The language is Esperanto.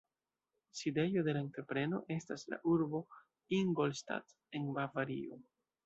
Sidejo de la entrepreno estas la urbo Ingolstadt en Bavario.